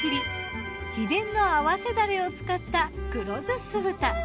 秘伝の合わせダレを使った黒醋酢豚。